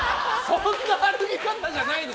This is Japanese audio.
そんな歩き方じゃないよ